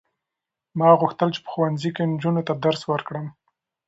ما غوښتل چې په ښوونځي کې نجونو ته درس ورکړم.